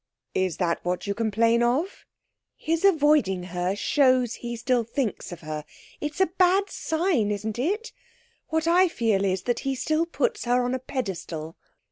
'Is that what you complain of?' 'His avoiding her shows he still thinks of her. It's a bad sign isn't it? What I feel is, that he still puts her on a pedestal.'